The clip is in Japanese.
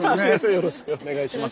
よろしくお願いします。